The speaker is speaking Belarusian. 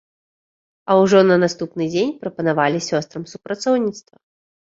А ўжо на наступны дзень прапанавалі сёстрам супрацоўніцтва.